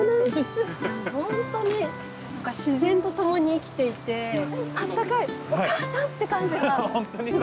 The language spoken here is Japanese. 本当に自然と共に生きていてあったかいお母さんって感じがすごくしました。